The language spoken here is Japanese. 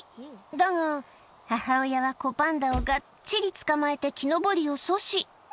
だが母親は子パンダをがっちり捕まえて、木登りを阻止。